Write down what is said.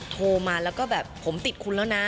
โทรมาแล้วก็แบบผมติดคุณแล้วนะ